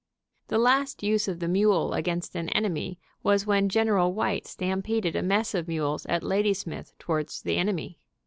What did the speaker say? The last use of the mule against an enemy was when Gen. White stampeded a mess of mules at Ladysmith towards the enemy.